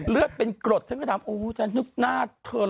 เลือดเป็นกรดฉันก็ถามโอ้ฉันนึกหน้าเธอเหรอ